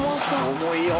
重いよ。